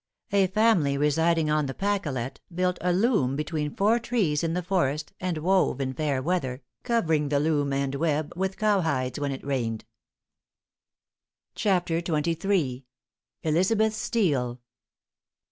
A family residing on the Pacolet, built a loom between four trees in the forest, and wove in fair weather, covering the loom and web with cow hides when it rained. XXIII. Elizabeth Steele.